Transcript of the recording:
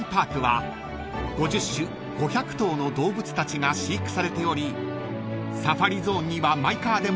［５０種５００頭の動物たちが飼育されておりサファリゾーンにはマイカーでも入場が可能］